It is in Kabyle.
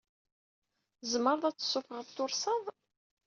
Tzemreḍ ad tessuffɣeḍ tursaḍ?